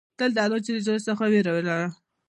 تل د الله ج څخه ویره ولره.